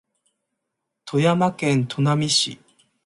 富山県砺波市